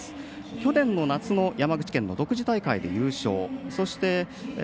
去年の夏の山口県の独自大会で優勝。